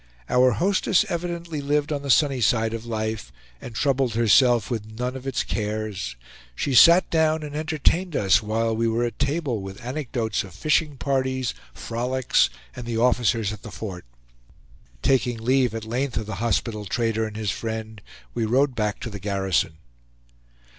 Our hostess evidently lived on the sunny side of life, and troubled herself with none of its cares. She sat down and entertained us while we were at table with anecdotes of fishing parties, frolics, and the officers at the fort. Taking leave at length of the hospitable trader and his friend, we rode back to the garrison.